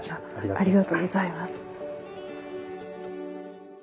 ありがとうございます。